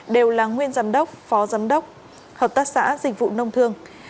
đều là nguyên giám đốc phó giám đốc hợp tác xã dịch vụ nông thương